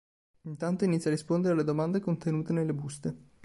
Intanto inizia a rispondere alle domande contenute nelle buste.